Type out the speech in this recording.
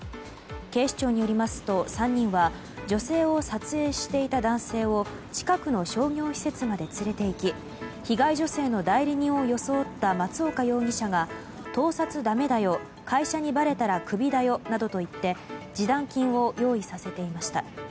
警視庁によりますと、３人は女性を撮影していた男性を近くの商業施設まで連れていき被害女性の代理人を装った松岡容疑者が盗撮だめだよ、会社にばれたらクビだよなどと言って示談金を用意させていました。